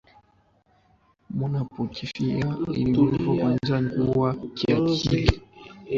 wanapofikia ile hali iliyotajwa na mwandishi mmoja kuwa hali ya kupumbaa kiakili